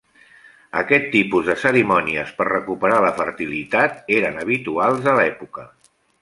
Aquest tipus de cerimònies per recuperar la fertilitat eren habituals a l'època.